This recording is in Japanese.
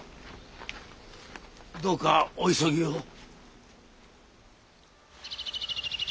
どうかお急ぎを。